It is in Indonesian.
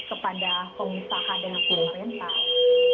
kepada pengusaha dan pemerintah